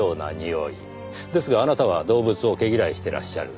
ですがあなたは動物を毛嫌いしてらっしゃる。